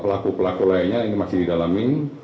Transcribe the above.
pelaku pelaku lainnya ini masih didalami